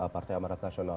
partai amarat nasional